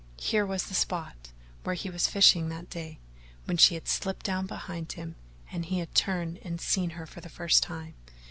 Here was the spot where he was fishing that day, when she had slipped down behind him and he had turned and seen her for the first time.